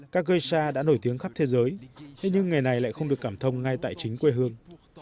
các geisha đã nổi tiếng khắp thế giới nhưng những nghề này lại không được cảm thông ngay tại chính quê hương